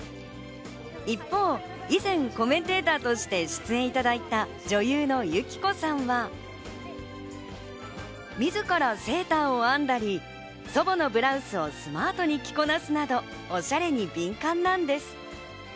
一方、以前コメンテーターとして出演いただいた女優の有希子さんは、自らセーターを編んだり、祖母のブラウスをスマートに着こなすなど、おしゃれに敏感なんです。